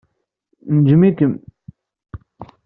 Nejjem-ikem.